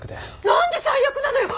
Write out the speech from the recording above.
何で最悪なのよ！